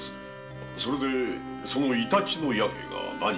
それでそのイタチの弥平が何か？